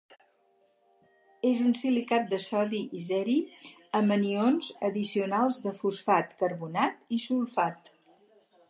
És un silicat de sodi i ceri amb anions addicionals de fosfat, carbonat i sulfat.